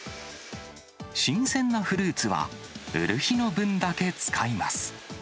新鮮なフルーツは、売る日の分だけ使います。